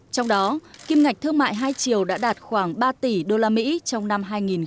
trong đó kim ngạch thương mại hai triệu đã đạt khoảng ba tỷ usd trong năm hai nghìn một mươi tám